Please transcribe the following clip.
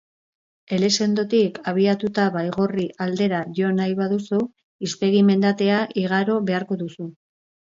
Elizondotik abiatuta Baigorri aldera jo nahi baduzu, Izpegi mendatea igaro beharko duzu.